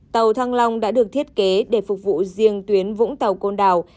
tàu thăng long đã được thiết kế để phục vụ riêng tuyến vũng tàu côn đảo